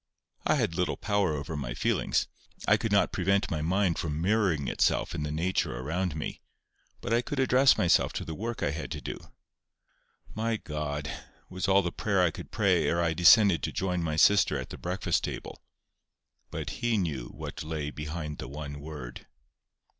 I had little power over my feelings; I could not prevent my mind from mirroring itself in the nature around me; but I could address myself to the work I had to do. "My God!" was all the prayer I could pray ere I descended to join my sister at the breakfast table. But He knew what lay behind the one word.